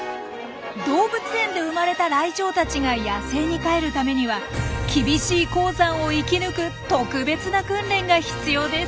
動物園で生まれたライチョウたちが野生に帰るためには厳しい高山を生き抜く特別な訓練が必要です。